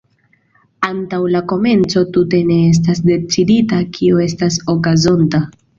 Antaŭ la komenco tute ne estas decidita kio estas okazonta.